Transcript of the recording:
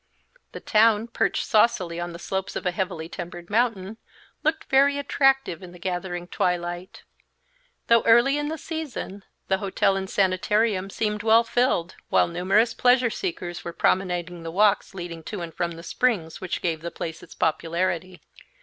The town, perched saucily on the slopes of a heavily timbered mountain, looked very attractive in the gathering twilight. Though early in the season, the hotel and sanitarium seemed well filled, while numerous pleasure seekers were promenading the walks leading to and from the springs which gave the place its popularity.